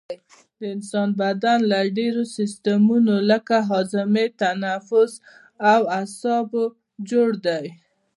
د انسان بدن له ډیرو سیستمونو لکه هاضمه تنفس او اعصابو جوړ دی